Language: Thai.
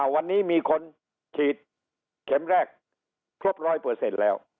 วันนี้มีคนฉีดเข็มแรกครบร้อยเปอร์เซ็นต์แล้ว